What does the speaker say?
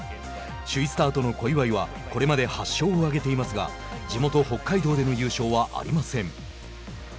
首位スタートの小祝はこれまで８勝を挙げていますが地元、北海道での優勝はありません。